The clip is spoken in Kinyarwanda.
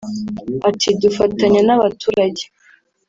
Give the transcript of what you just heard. Ati “Dufatanya n’abaturage